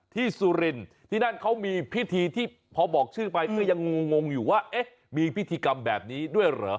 สุรินที่นั่นเขามีพิธีที่พอบอกชื่อไปก็ยังงงอยู่ว่าเอ๊ะมีพิธีกรรมแบบนี้ด้วยเหรอ